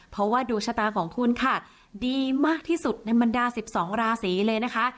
เพราะว่าดวงชะตาของคุณค่ะดีมากที่สุดในบรรดา๑๒ราศีเลยนะคะ